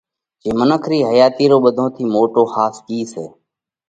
جي منک رِي حياتِي رو ٻڌون ٿِي موٽو ۿاس ڪِي سئہ؟